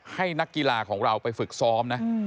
ให้นักกีฬาของเราไปฝึกซ้อมนะ